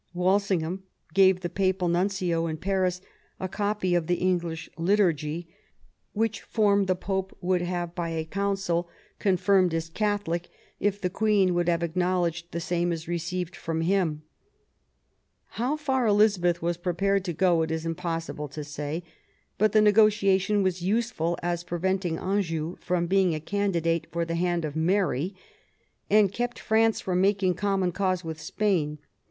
Walsingham gave the Papal nuncio in Paris a copy of the English liturgy, " which form the Pope would have by a Council confirmed as Catholic, if the Queen would have acknowledged the same as received from him "• How far Elizabeth was prepared to go it is I40 QUEEN ELIZABETH, impossible to say ; but the negotiation was useful as preventing Anjou from being a candidate for the hand of Mary, and kept France from making common cause with Spain.